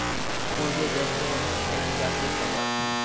পূর্বীয় দেশসমূহে এটা জাতীয় খাবার।